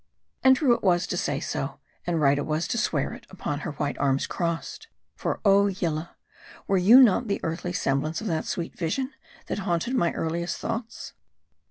And true it was to say so ; and right it was to swear it, upon her white arms crossed. For oh, Yillah ; were you not the earthly semblance of that sweet vision, that haunted my earliest thoughts